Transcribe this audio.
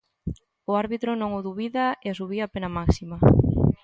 O árbitro non o dubida e asubía a pena máxima.